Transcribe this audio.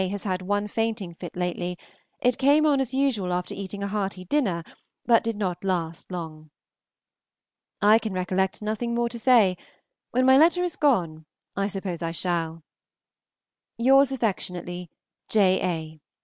has had one fainting fit lately; it came on as usual after eating a hearty dinner, but did not last long. I can recollect nothing more to say. When my letter is gone, I suppose I shall. Yours affectionately, J. A.